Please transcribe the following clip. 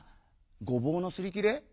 「ごぼうのすり切れ？